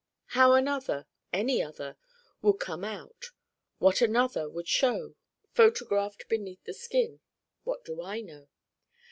How Another, any Other, would come out: what Another would show: photographed Beneath the Skin what do I know?